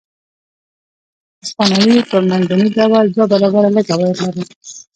هسپانوي په منځني ډول دوه برابره لږ عواید لرل.